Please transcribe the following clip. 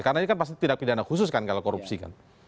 karena ini kan pasti tidak pidana khusus kan kalau korupsi kan